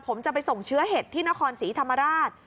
ผมจะไปส่งเชื้อเห็ดที่นครศรีธรรมราช